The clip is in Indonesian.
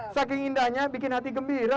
saking indahnya bikin hati gembira